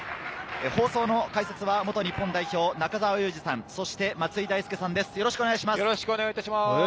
放送の解説は元日本代表・中澤佑二さん、そして松井大輔さんです、よろしくお願いします。